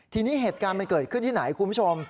ทีนี้เหตุการณ์มันเกิดขึ้นที่ไหนคุณผู้ชม